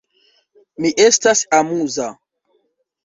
Mi estas amuza.